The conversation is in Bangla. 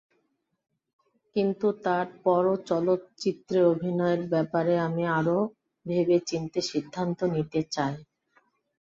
কিন্তু তার পরও চলচ্চিত্রে অভিনয়ের ব্যাপারে আমি আরও ভেবেচিন্তে সিদ্ধান্ত নিতে চাই।